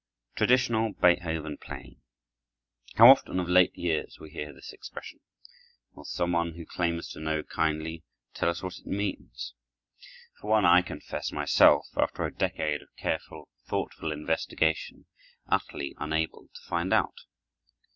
Traditional Beethoven Playing How often of late years we hear this expression: Will some one who claims to know kindly tell us what it means? For one, I confess myself, after a decade of careful, thoughtful investigation, utterly unable to find out.